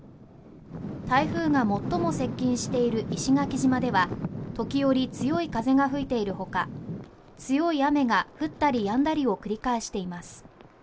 台風が最も接近している石垣島では時折、強い風が吹いているほか強い雨が降ったりやんだりを繰り返しています。